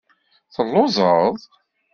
Telluẓeḍ?